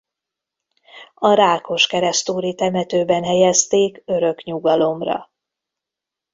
A Rákoskeresztúri Temetőben helyezték örök nyugalomra.